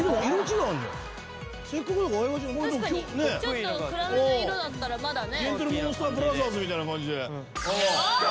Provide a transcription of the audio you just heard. ちょっと暗めの色だったらまだね。